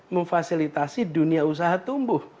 memfasilitasi dunia usaha tumbuh